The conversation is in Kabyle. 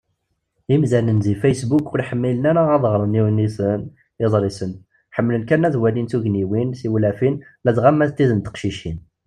Imdanen deg Facebook ur ḥmmilen ara ad ɣren iwenniten, iḍrisen; ḥemmlen kan ad walin tugniwin, tiwlafin, ladɣa ma d tid n teqcicin.